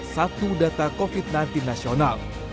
satu data covid sembilan belas nasional